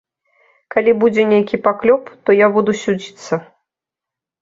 Калі будзе нейкі паклёп, то я буду судзіцца.